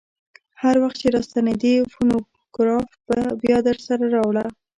هر وخت چې راستنېدې فونوګراف بیا درسره راوړه.